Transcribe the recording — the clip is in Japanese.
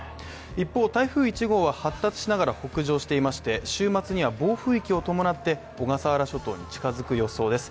一方、台風１号は発達しながら北上していまして週末には暴風域を伴って小笠原諸島に近づく予想です。